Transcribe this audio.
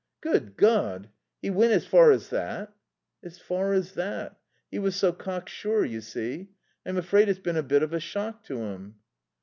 "Good God! He went as far as that?" "As far as that. He was so cocksure, you see. I'm afraid it's been a bit of a shock to him."